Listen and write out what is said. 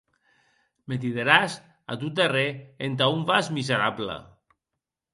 Me dideràs, a tot darrèr, entà on vas, miserable?